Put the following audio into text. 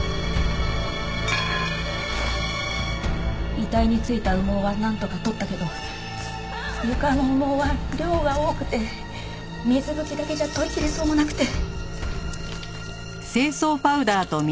遺体に付いた羽毛はなんとか取ったけど床の羽毛は量が多くて水拭きだけじゃ取りきれそうもなくて。